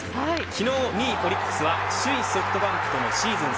昨日２位オリックスは首位ソフトバンクとのシーズン